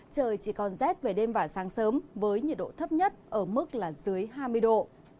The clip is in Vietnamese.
trời chỉ còn rét về đêm và sáng sớm với nhiệt độ thấp nhất ở mức là dưới hai mươi độ